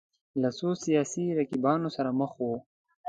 له څو سیاسي رقیبانو سره مخ وو